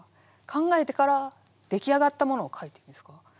考えてから出来上がったものを書いてるんですか？